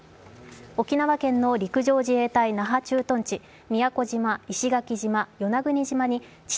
沖縄県の陸上自衛隊那覇駐屯地、宮古島、石垣島、与那国島に地